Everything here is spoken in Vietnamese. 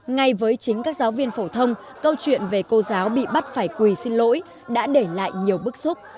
ngay với chính các giáo viên phổ thông câu chuyện về cô giáo bị bắt phải quỳ xin lỗi đã để lại nhiều bức xúc